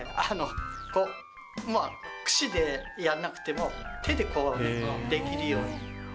まあ、くしでやんなくても、手でこう、できるように。